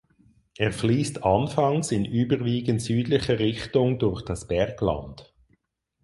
Er fließt anfangs in überwiegend südlicher Richtung durch das Bergland.